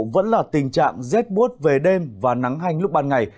vẫn là tình trạng rét bút về đêm và nắng hanh lúc ban ngày